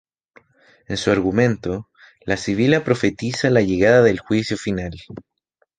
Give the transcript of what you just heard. En su argumento, la Sibila profetiza la llegada del Juicio Final.